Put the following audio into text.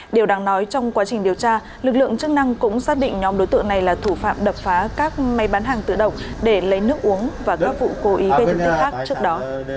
điều đáng nói trong quá trình điều tra lực lượng chức năng cũng xác định nhóm đối tượng này là thủ phạm đập phá các máy bán hàng tựa đồng để lấy nước uống và các vụ cố ý bê thật khác trước đó